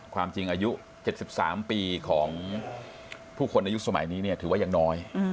ความจริงอายุ๗๓ปีของผู้คนอายุสมัยนี้เนี่ยถือว่ายังน้อย